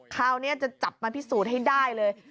คราวนี้จะจับมาพิสูจน์ให้ได้เลย